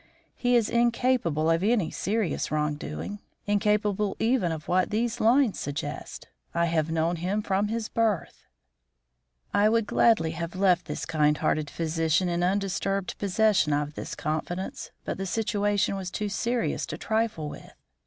He is incapable of any serious wrong doing; incapable even of what these lines suggest. I have known him from his birth." I would gladly have left this kind hearted physician in undisturbed possession of this confidence, but the situation was too serious to trifle with.